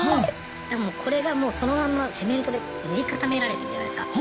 これがもうそのまんまセメントで塗り固められてるじゃないすか。